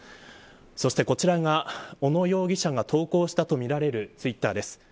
そして、こちらが小野容疑者が投稿したとみられるツイッターです。